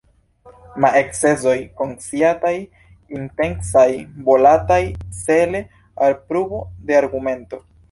Ma ekscesoj konsciataj, intencaj, volataj, cele al pruvo de argumento.